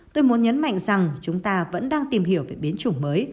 tôi muốn nhấn mạnh rằng chúng ta vẫn đang tìm hiểu về biến chủng mới